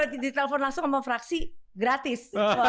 ditelepon langsung sama fraksi gratis